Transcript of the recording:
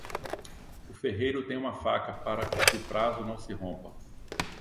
O ferreiro tem uma faca, para que o prazo não se rompa.